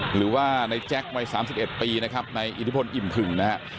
หรือว่าในแจ็ควัย๓๑ปีนะครับในอิทธิพลอิ่มผึ่งนะฮะ